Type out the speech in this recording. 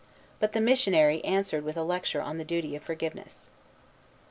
But the missionary answered with a lecture on the duty of forgiveness.